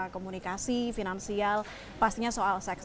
komunikasi finansial pastinya soal seks